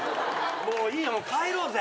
もういいよ帰ろうぜ。